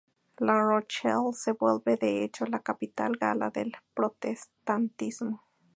La Rochelle se vuelve de hecho la capital gala del protestantismo.